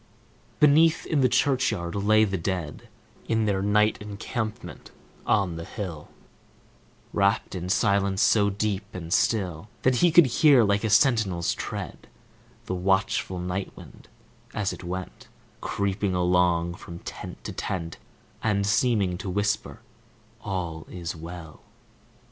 Beneath, in the churchyard, lay the dead, In their night encampment on the hill, Wrapped in silence so deep and still That he could hear, like a sentinel's tread, The watchful night wind, as it went Creeping along from tent to tent And seeming to whisper, "All is well!"